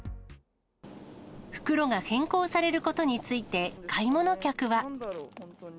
袋が変更されることについて、買い物客は。